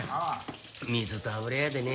水と油やでね